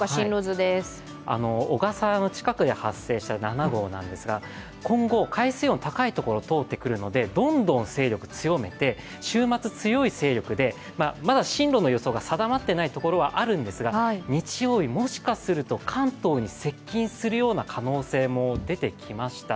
小笠原の近くで発生した７号なんですが、今後、海水温高いところを通ってくるのでどんどん勢力を強めて週末、強い勢力で、まだ進路の予想が定まっていないところがあるんですが日曜日、もしかすると関東に接近するような可能性も出てきました。